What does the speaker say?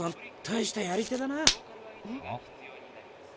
たいしたやり手だな。